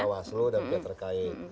di bawah seluruh dan biar terkait